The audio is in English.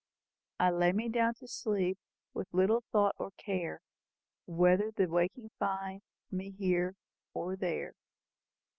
'I lay me down to sleep, With little thought or care Whether the waking find Me here, or there.